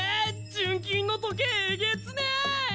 純金の時計えげつねぇ！